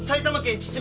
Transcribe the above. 秩父？